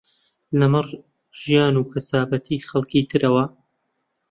لەمەڕ ژیان و کەسابەتی خەڵکی ترەوە